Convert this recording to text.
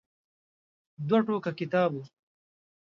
دوه ټوکه کتاب و.